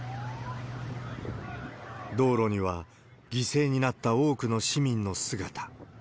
道路には、犠牲になった多くの市民の姿。